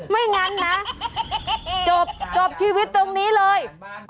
ไม่งั้นนะจบจบชีวิตตรงนี้เลย